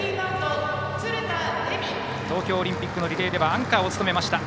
東京オリンピックのリレーではアンカーを務めました